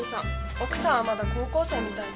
奥さんはまだ高校生みたいで。